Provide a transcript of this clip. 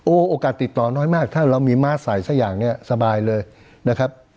โอกาสติดต่อน้อยมากถ้าเรามีมาร์ทใส่ซะอย่างนี้สบายเลยนะครับ